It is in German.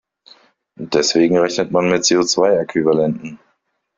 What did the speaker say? Deswegen rechnet man mit CO-zwei-Äquivalenten.